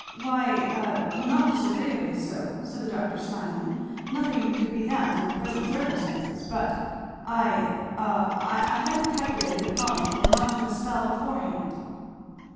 "Why a not disagreeably so," said the doctor smiling; "nothing could be that in the present circumstances, but I a I hadn't calculated upon it for much of a spell beforehand."